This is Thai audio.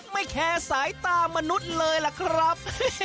แคร์สายตามนุษย์เลยล่ะครับ